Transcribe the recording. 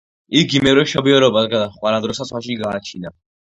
იგი მერვე მშობიარობას გადაჰყვა, რა დროსაც ვაჟი გააჩინა.